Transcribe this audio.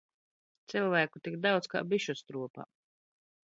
Cilvēku tik daudz kā bišu stropā.